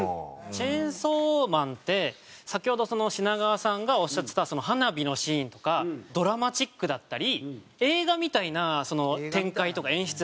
『チェンソーマン』って先ほど品川さんがおっしゃってた花火のシーンとかドラマチックだったり映画みたいな展開とか演出